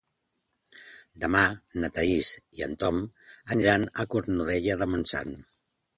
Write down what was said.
Demà na Thaís i en Tom aniran a Cornudella de Montsant.